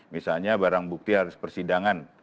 misalnya barang bukti harus persidangan